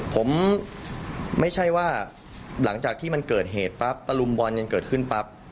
ผมไม่ใช่ว่าหลังจากที่มันเกิดเหตุปั๊บตะลุมบอลกันเกิดขึ้นปั๊บ